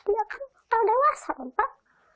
dia kan udah dewasa pak